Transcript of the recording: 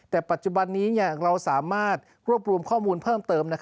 แต่ปัจจุบันนี้เราสามารถรวบรวมข้อมูลเพิ่มเติม